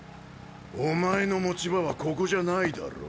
お前の持ち場はここじゃないだろう？